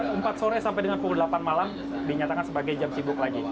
pukul empat sore sampai dengan pukul delapan malam dinyatakan sebagai jam sibuk lagi